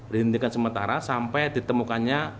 dihentikan sementara sampai ditemukannya